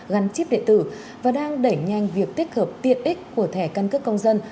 gắn chip đệ tử và đang đẩy nhanh việc tiết hợp tiện ích của thẻ căn cước công dân